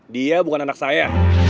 dia bukan anak saya